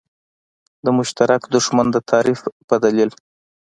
د مشترک دښمن د تعریف په دلیل.